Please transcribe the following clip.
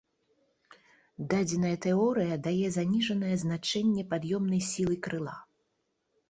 Дадзеная тэорыя дае заніжанае значэнне пад'ёмнай сілы крыла.